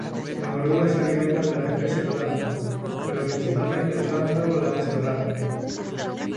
Las orugas se alimentan de la especie Plantago, pero principalmente Plantago lanceolata.